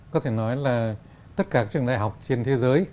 có thể nói là tất cả các trường đại học trên thế giới